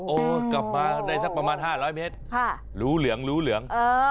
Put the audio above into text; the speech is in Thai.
โอ้กลับมาได้สักประมาณ๕๐๐เมตรหลูเหลือง